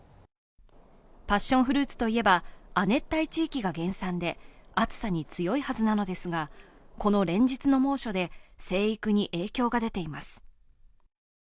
パッションフルーツといえば、亜熱帯地域が原産で暑さに強いはずなのですがこの連日の猛暑で、生育に影響が出ています。